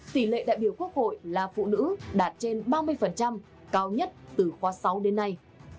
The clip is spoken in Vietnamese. tỷ lệ đại biểu quốc hội là phụ nữ đạt trên ba mươi cao nhất từ khóa sáu đến nay